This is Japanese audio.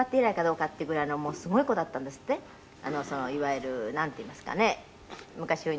そのいわゆるなんていいますかね。